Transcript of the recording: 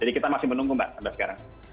jadi kita masih menunggu mbak sampai sekarang